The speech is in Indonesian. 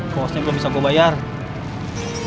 sebesarnya buscar para pautadi